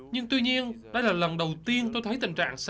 nhưng tuy nhiên đây là lần đầu tiên tôi thấy tình trạng sạt lở này